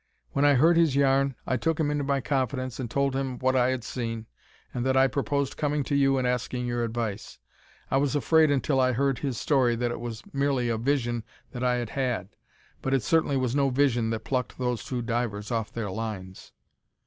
When I heard his yarn, I took him into my confidence and told him what I had seen and that I proposed coming to you and asking your advice. I was afraid until I heard his story that it was merely a vision that I had had, but it certainly was no vision that plucked those two divers off their lines."